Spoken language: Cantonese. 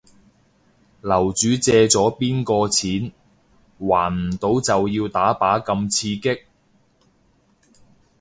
樓主借咗邊個錢？還唔到就要打靶咁刺激